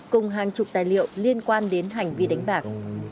cùng hàng chục tài liệu liên quan đến hành vi đánh bạc